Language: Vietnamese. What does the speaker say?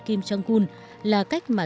kim jong un là cách mà